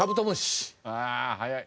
ああ早い。